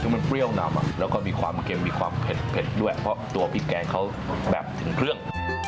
คือมันเปรี้ยวนำแล้วก็มีความเค็มมีความเผ็ดด้วยเพราะตัวพริกแกงเขาแบบถึงเครื่อง